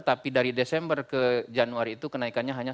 tapi dari desember ke januari itu kenaikannya hanya satu